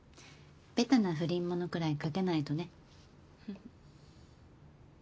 ベタな不倫ものくらい描けないとね。